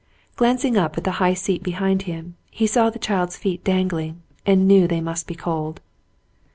Glanc ing up at the high seat behind him, he saw the child's feet dangling, and knew they must be cold.